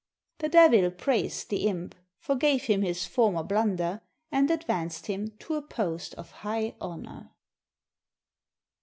The Devil praised the imp, forgave him his former blunder, and advanced him to a post of high honor.